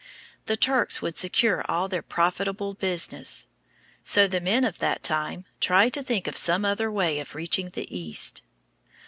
The Turks would secure all their profitable business. So the men of that time tried to think of some other way of reaching the East.